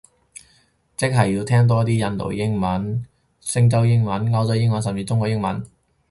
即係要聽多啲印度英文，星洲英文，歐洲英文，甚至中國英文